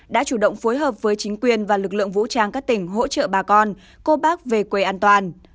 đã chủ động phối hợp với chính quyền và lực lượng vũ trang các tỉnh hỗ trợ bà con cô bác về quê an toàn